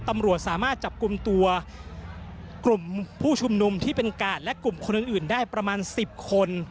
ตำรวจสามารถจับกลุ่มตัวกลุ่มผู้ชุมนุมที่เป็นกาดและกลุ่มคนอื่นได้ประมาณ๑๐คน